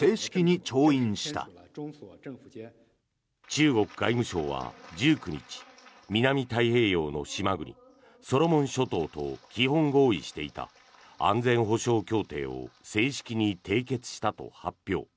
中国外務省は１９日南太平洋の島国、ソロモン諸島と基本合意していた安全保障協定を正式に締結したと発表。